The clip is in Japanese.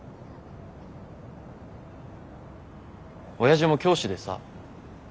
親父も教師でさ。